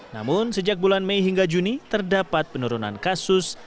namun sejak bulan mei hingga juni terdapat penurunan kasus